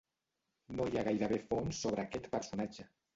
No hi ha gairebé fonts sobre aquest personatge.